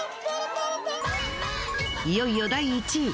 いよいよ第１位。